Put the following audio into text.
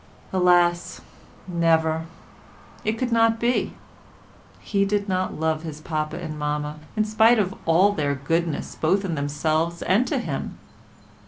Alas! never. It could not be. He did not love his Papa and Mamma, in spite of all their goodness both in themselves and to him.